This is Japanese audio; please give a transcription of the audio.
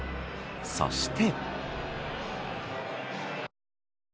そして。